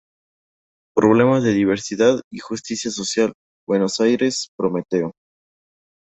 Problemas de diversidad y justicia social", Buenos Aires: Prometeo.